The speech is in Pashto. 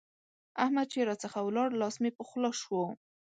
احمد چې راڅخه ولاړ؛ لاس مې په خوله شو.